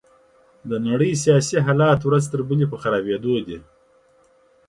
د نړۍ سياسي حالات ورځ تر بلې په خرابيدو دي.